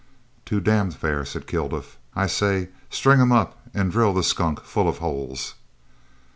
"Too damned fair," said Kilduff. "I say: String him up an' drill the skunk full of holes."